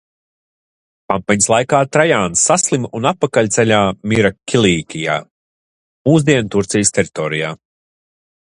Kampaņas laikā Trajāns saslima un atpakaļceļā mira Kilīkijā, mūsdienu Turcijas teritorijā.